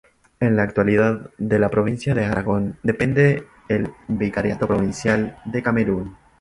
En la actualidad, de la Provincia de Aragón depende el Vicariato Provincial de Camerún.